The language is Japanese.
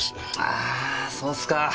あーそうっすか。